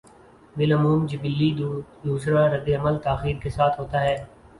بالعموم جبلّی دوسرا رد عمل تاخیر کے ساتھ ہوتا ہے۔